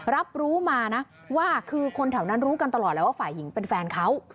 รับรู้มานะว่าคือคนแถวนั้นรู้กันตลอดแล้วว่าฝ่ายหญิงเป็นแฟนเขา